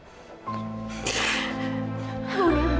kita bicarain nanti kalau ibu udah sehat ya